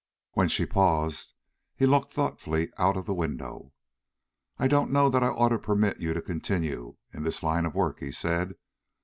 When she paused, he looked thoughtfully out of the window. "I don't know that I ought to permit you to continue in this line of work," he said.